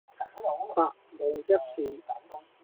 百無一是